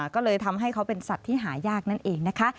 ก็เลยทำให้เขาเป็นสัตว์ที่หายากนั่นเองนะคะ